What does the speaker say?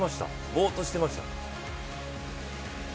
ボーッとしてました？